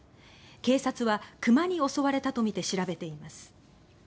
警察は熊に襲われたとみて調べています。